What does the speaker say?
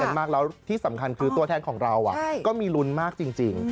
มากแล้วที่สำคัญคือตัวแทนของเราก็มีลุ้นมากจริง